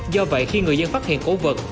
do vậy khi người dân phát hiện cổ vật